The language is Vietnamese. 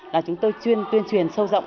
là chúng tôi chuyên tuyên truyền sâu rộng